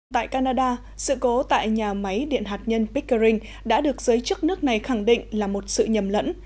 tại canada sự cố tại nhà máy điện hạt nhân pickering đã được giới chức nước này khẳng định là một sự nhầm lẫn